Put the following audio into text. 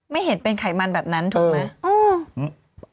ไม่เห็นเป็นไขมันแบบนั้นถูกไหม